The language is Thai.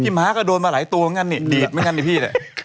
พี่ม้าก็โดนมาหลายตัวเมื่องั้นดีดเมื่องั้นดีพี่